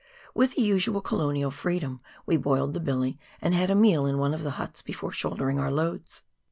With the usual colonial freedom, we boiled the billy, and had a meal in one of the huts before shouldering our loads.